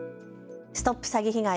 ＳＴＯＰ詐欺被害！